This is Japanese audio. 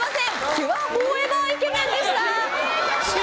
ピュアフォーエバーイケメンでした！